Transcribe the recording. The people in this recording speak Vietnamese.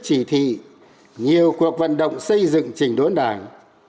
chỉ thị nhiều cuộc vận động xây dựng trình đốn đảng